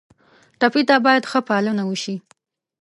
ټپي ته باید ښه پالنه وشي.